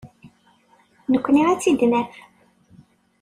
Nekkni ad tt-id-naf.